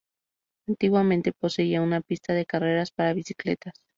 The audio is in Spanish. Antiguamente poseía una pista de carreras para bicicletas.